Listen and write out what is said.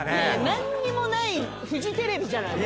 何にもないフジテレビじゃない。